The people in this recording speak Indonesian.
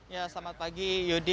ya selamat pagi yudi